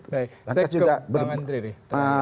saya ke bang andri nih